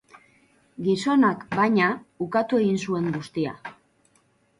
Gizonak, baina, ukatu egin zuen guztia.